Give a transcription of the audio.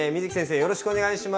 よろしくお願いします！